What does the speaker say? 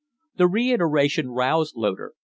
The reiteration roused Loder.